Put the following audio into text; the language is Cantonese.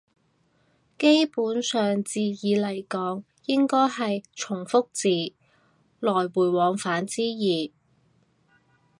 基本字義嚟講應該係從復字，來回往返之意